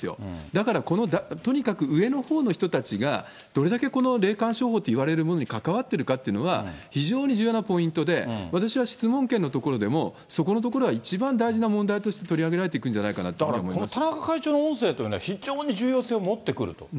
だから、とにかく上のほうの人たちが、どれだけこの霊感商法といわれるものに関わっているかというのは、非常に重要なポイントで、私は質問権のところでも、そこのところは一番大事な問題として、取り上げられていくんじゃないかと思います。